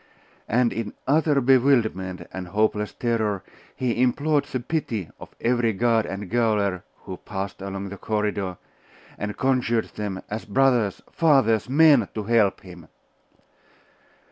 And in utter bewilderment and hopeless terror he implored the pity of every guard and gaoler who passed along the corridor, and conjured them, as brothers, fathers, men, to help him.